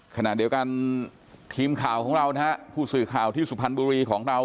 ขณะเดียวกันทีมข่าวของเรานะฮะผู้สื่อข่าวที่สุพรรณบุรีของเรา